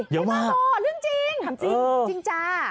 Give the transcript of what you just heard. เยอะมากไม่บะบ่อเรื่องจริงถามจริงจริงจ้า